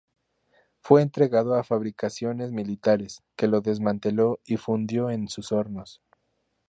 Fue entregado a Fabricaciones Militares, que lo desmanteló y fundió en sus hornos.